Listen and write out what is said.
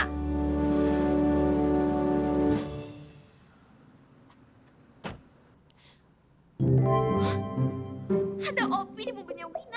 hah ada opi di mobilnya wina